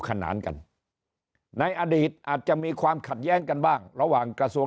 ขนานกันในอดีตอาจจะมีความขัดแย้งกันบ้างระหว่างกระทรวง